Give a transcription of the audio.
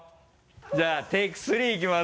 じゃあテイク３いきます。